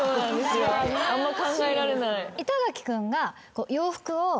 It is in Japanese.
あんま考えられない。